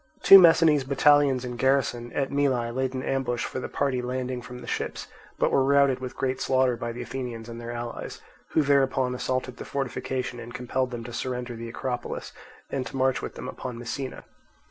Two Messinese battalions in garrison at Mylae laid an ambush for the party landing from the ships, but were routed with great slaughter by the Athenians and their allies, who thereupon assaulted the fortification and compelled them to surrender the Acropolis and to march with them upon Messina.